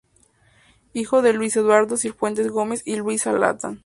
Hijo de Luis Eduardo Cifuentes Gómez y Luisa Latham.